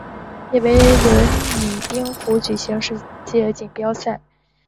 也为轮椅冰壶举行世界锦标赛。